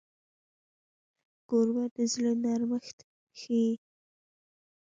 کوربه د زړه نرمښت ښيي.